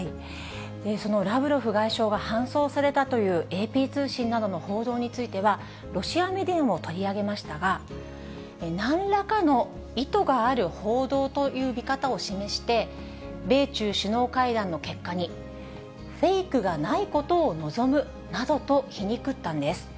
そのラブロフ外相が搬送されたというＡＰ通信などの報道については、ロシアメディアも取り上げましたが、なんらかの意図がある報道という見方を示して、米中首脳会談の結果にフェイクがないことを望むなどと皮肉ったんです。